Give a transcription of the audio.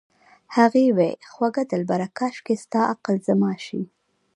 هغې وې خوږه دلبره کاشکې ستا عقل زما شي